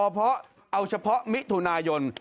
เพราะเอาเฉพาะมิถุนายน